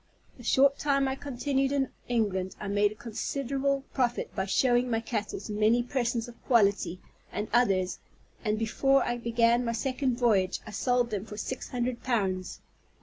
The short time I continued in England, I made a considerable profit by showing my cattle to many persons of quality and others: and, before I began my second voyage, I sold them for six hundred pounds.